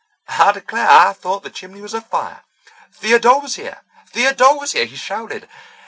I declare, I thought the chimney was afire! Theodosia, Theodosia!' he shouted.